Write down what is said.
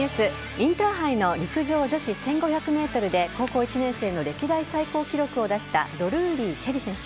インターハイの陸上女子１５００ｍで高校１年生の歴代最高記録を出したドルーリー朱瑛里選手